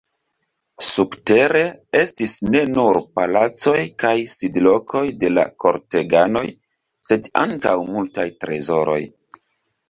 Subtere estis ne nur palacoj kaj sidlokoj de la korteganoj, sed ankaŭ multaj trezoroj.